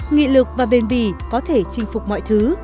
nghị lực và bền bỉ có thể chinh phục mọi thứ